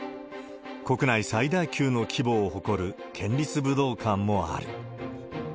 国内最大級の規模を誇る県立武道館もある。